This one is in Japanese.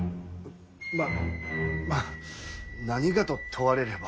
まあまあ何がと問われれば。